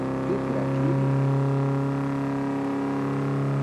Vipi lakini